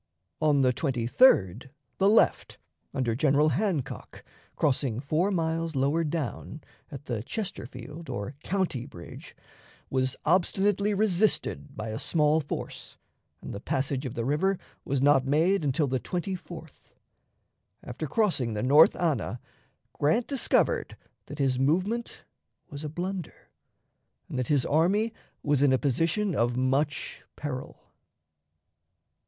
On the 23d the left, under General Hancock, crossing four miles lower down, at the Chesterfield or County Bridge, was obstinately resisted by a small force, and the passage of the river was not made until the 24th. After crossing the North Anna, Grant discovered that his movement was a blunder, and that his army was in a position of much peril.